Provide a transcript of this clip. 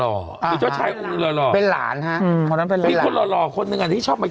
เป็นเจ้าชายหล่อหล่อเป็นหลานฮะอืมเพราะฉะนั้นเป็นหลานเป็นคนหล่อหล่อคนหนึ่งอันนี้ชอบมา